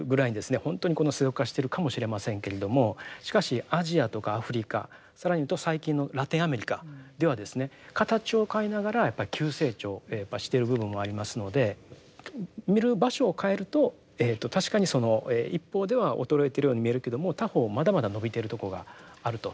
本当にこの世俗化しているかもしれませんけれどもしかしアジアとかアフリカ更に言うと最近のラテンアメリカではですね形を変えながらやっぱり急成長をしている部分もありますので見る場所を変えると確かにその一方では衰えてるように見えるけれども他方まだまだ伸びてるところがあると。